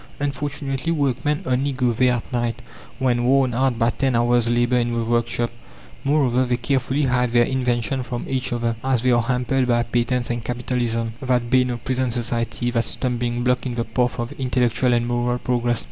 Unfortunately workmen only go there at night when worn out by ten hours' labour in the workshop. Moreover, they carefully hide their inventions from each other, as they are hampered by patents and Capitalism that bane of present society, that stumbling block in the path of intellectual and moral progress.